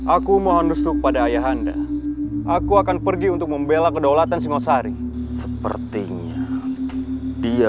aku mohon dusuk pada ayah anda aku akan pergi untuk membela kedaulatan singosari sepertinya dia